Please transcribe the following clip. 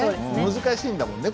難しいんだもんね